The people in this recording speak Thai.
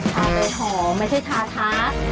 ไปหอมไม่ใช่ชาค้า